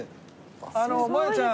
あのもえちゃん！